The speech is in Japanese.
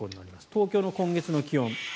東京の今月の気温。